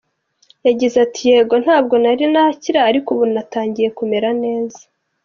Yagize ati: “Yego ntabwo nari nakira, ariko ubu natangiye kumera neza.